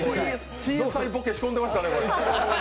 小さいボケ、仕込んでましたね。